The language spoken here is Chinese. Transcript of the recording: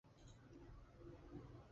说只要放在枕边，便可高枕而卧